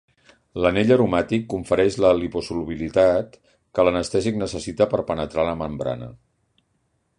L'anell aromàtic confereix la liposolubilitat que l'anestèsic necessita per a penetrar la membrana.